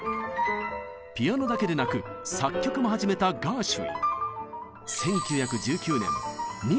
ピアノだけでなく作曲も始めたガーシュウィン。